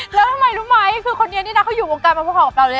แล้วไม่รู้ไหมคนนี้เขาอยู่วงการมาพูดของกับเราเลยล่ะ